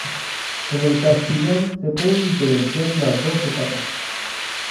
En El Castillón se pudieron diferenciar las dos etapas.